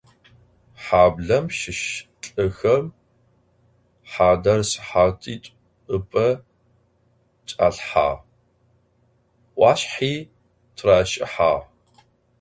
Хьаблэм щыщ лӏыхэм хьадэр сыхьатитӏу ыпэ чӏалъхьагъ, ӏуашъхьи трашӏыхьагъ.